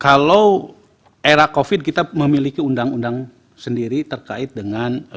kalau era covid kita memiliki undang undang sendiri terkait dengan